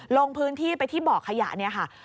ลงพื้นที่ไปที่บ่อขยะเนี่ยค่ะ